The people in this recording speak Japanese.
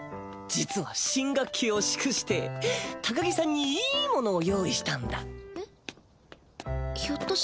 実は新学期を祝して高木さんにいいものを用意したんだ。